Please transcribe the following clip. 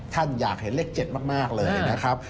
ท่านอยากเห็นเลข๗มากเลยนะครับ